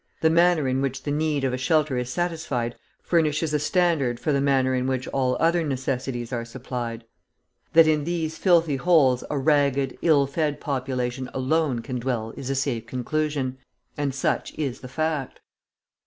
The manner in which the need of a shelter is satisfied furnishes a standard for the manner in which all other necessities are supplied. That in these filthy holes a ragged, ill fed population alone can dwell is a safe conclusion, and such is the fact.